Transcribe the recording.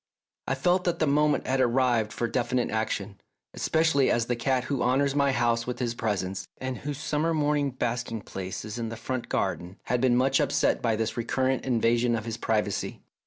I felt that the moment had arrived for definite action, especially as the cat who honours my house with his presence, and whose summer morning bask A SECRET SOCIETY 155 ing place is in the front garden, had been much upset by this recurrent invasion of his privacy.